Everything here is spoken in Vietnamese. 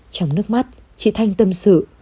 trong nước mắt chị thanh tâm sự